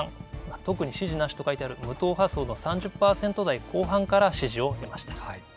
特に支持なしと書いてある無党派層の３０％台後半から支持を得ました。